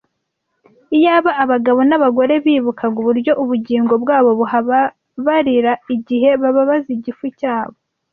Iyaba abagabo n’abagore bibukaga uburyo ubugingo bwabo buhababarira igihe bababaza igifu cyabo,